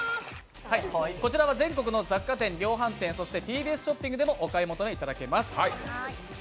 こちらは全国の雑貨店・量販店、そしてＴＢＳショップでもお買い求めいただけます。